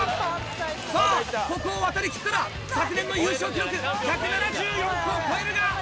さぁここを渡り切ったら昨年の優勝記録１７４個を超えるが。